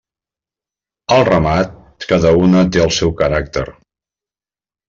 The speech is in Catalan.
Al remat, cada una té el seu caràcter.